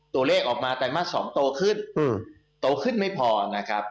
ตัวเลขออกมาไตรมาส๒โตขึ้นโตขึ้นไม่พอนะครับ